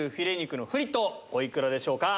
お幾らでしょうか？